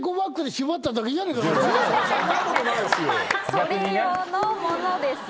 それ用のものです。